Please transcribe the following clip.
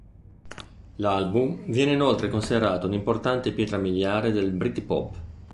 L'album viene inoltre considerato un'importante pietra miliare del britpop.